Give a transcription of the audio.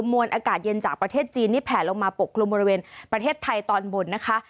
มวลอากาศเย็นจากประเทศจีนนี่แผลลงมาปกคลุมบริเวณประเทศไทยตอนบนนะคะ